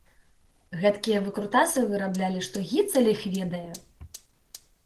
Гэткія выкрутасы выраблялі, што гіцаль іх ведае!